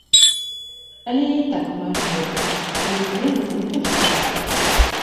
Але я і так маю льготы, таму мяне гэта не пужае.